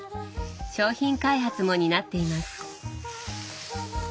商品開発も担っています。